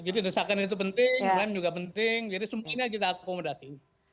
jadi desakan itu penting slime juga penting jadi semuanya kita akomodasi